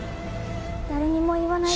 誰にも言わないでね